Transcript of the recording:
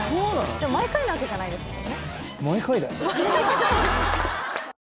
でも毎回なわけじゃないですもんね？